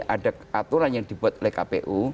ada aturan yang dibuat oleh kpu